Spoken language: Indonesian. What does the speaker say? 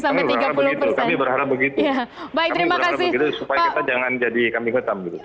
kami berharap begitu kami berharap begitu supaya kita jangan jadi kambing ketam gitu